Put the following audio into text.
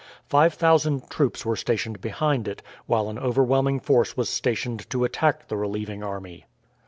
Five thousand troops were stationed behind it, while an overwhelming force was stationed to attack the relieving army.